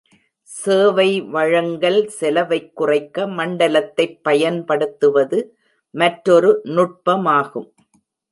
சேவை வழங்கல் செலவைக் குறைக்க மண்டலத்தைப் பயன்படுத்துவது மற்றொரு நுட்பமாகும்.